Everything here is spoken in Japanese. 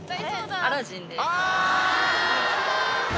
アラジンです。